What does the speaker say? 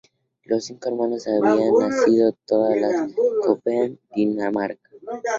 Las cinco hermanas habían nacido todas en Copenhague, Dinamarca.